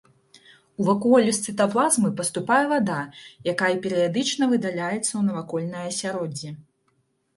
У вакуолю з цытаплазмы паступае вада, якая перыядычна выдаляецца ў навакольнае асяроддзе.